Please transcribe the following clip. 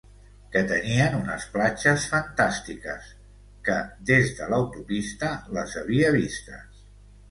Que tenien unes platges fantàstiques, que des de l'autopista les havia vistes.